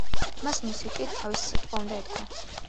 მას მუსიკით თავისი სიტყვა უნდა ეთქვა.